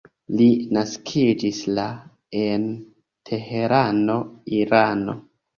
Li naskiĝis la en Teherano, Irano.